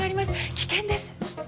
危険です！